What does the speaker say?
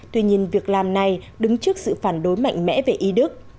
tuy nhiên việc làm này đứng trước sự phản đối mạnh mẽ về y đức